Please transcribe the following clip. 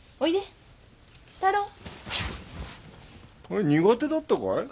あっ苦手だったかい？